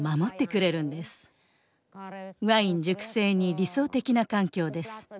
ワイン熟成に理想的な環境です。